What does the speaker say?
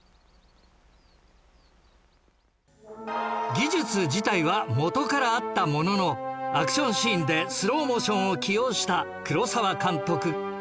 技術自体は元からあったもののアクションシーンでスローモーションを起用した黒澤監督